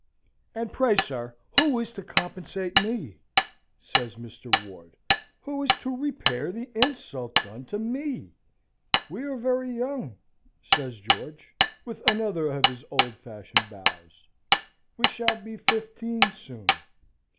"And pray, sir, who is to compensate me?" says Mr. Ward; "who is to repair the insult done to me?" "We are very young," says George, with another of his old fashioned bows. "We shall be fifteen soon.